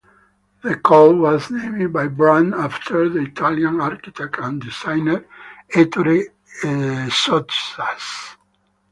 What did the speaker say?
The colt was named by Brant after the Italian architect and designer Ettore Sottsass.